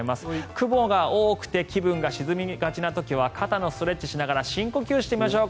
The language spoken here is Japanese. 雲が多くて気分が沈みがちな時は肩のストレッチをしながら深呼吸してみましょう。